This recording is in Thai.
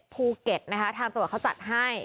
๔๔๗๗ภูเก็ตทางจับหวัดเขาจัดให้